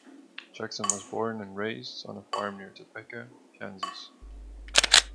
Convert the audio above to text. Jackson was born and raised on a farm near Topeka, Kansas.